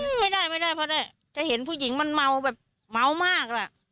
ไม่ได้ไม่ได้เพราะได้จะเห็นผู้หญิงมันเมาแบบเมามากแหละ